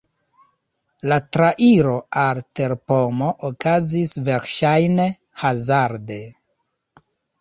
La trairo al terpomo okazis verŝajne hazarde.